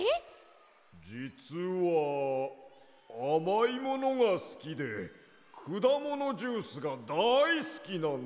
じつはあまいものがすきでくだものジュースがだいすきなんだ。